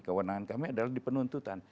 kewenangan kami adalah di penuntutan